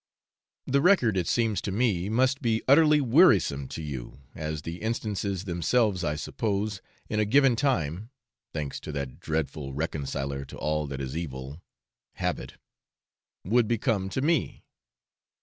The record, it seems to me, must be utterly wearisome to you, as the instances themselves I suppose in a given time (thanks to that dreadful reconciler to all that is evil habit) would become to me.